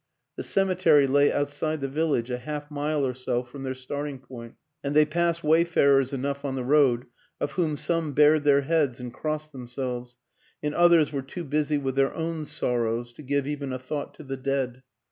The cemetery lay outside the village, a half mile or so from their starting point, and they passed wayfarers enough on the road, of whom some bared their heads and crossed themselves, and others were too busy with their own sorrows to give even a thought to the dead.